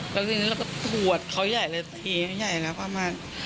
หัวตัวเขาใหญ่เลยบางทีใหญ่แล้วประมาณ